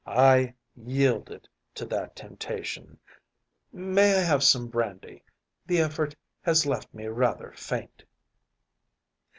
I yielded to that temptation. May I have some brandy? the effort has left me rather faint.